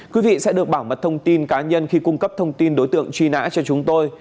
quý vị sẽ được bảo mật thông tin cá nhân khi cung cấp thông tin đối tượng truy nã cho chúng tôi